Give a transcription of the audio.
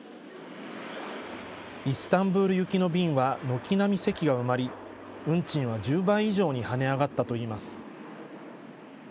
イスタンブール行きの便は軒並み席が埋まり運賃は１０倍以上に跳ね上がったといいます。